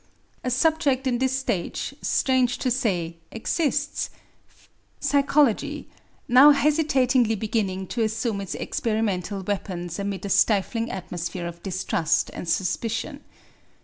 A subject in this stage, strange to say, exists, psychology; now hesitatingly beginning to assume its experimental weapons amid a stifling atmosphere of distrust and suspicion.